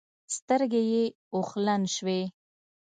سترګې يې اوښلن شوې.